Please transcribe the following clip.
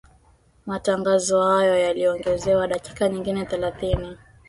Matangazo hayo yaliongezewa dakika nyingine thelathini